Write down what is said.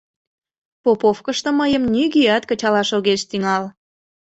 Поповкышто мыйым нигӧат кычалаш огеш тӱҥал.